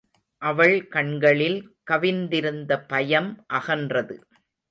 அவள் கண்களில் கவிந்திருந்த பயம் அகன்றது.